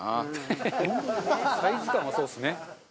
サイズ感はそうですね。